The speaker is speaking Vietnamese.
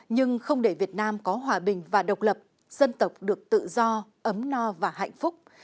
nhưng không để việt nam có hòa bình và độc lập dân tộc được tự do ấm no và hạnh phúc